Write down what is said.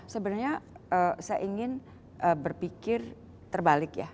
sebenarnya saya ingin berpikir terbalik ya